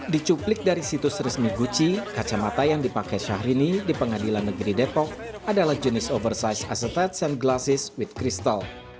dicuplik dari situs resmi guci kacamata yang dipakai syahrini di pengadilan negeri depok adalah jenis oversize asetats and glassis with crystal